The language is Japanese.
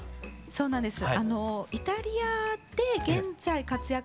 そうなんですよ。